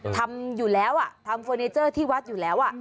ทำอยู่แล้วทำเฟอร์เนเจอร์ที่วัดอยู่แล้ว